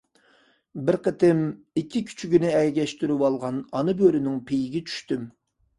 بىر قېتىم ئىككى كۈچۈكنى ئەگەشتۈرۈۋالغان ئانا بۆرىنىڭ پېيىگە چۈشتۈم.